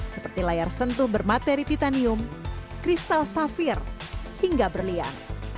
seperti layar sentuh bermateri titanium kristal safir hingga berlian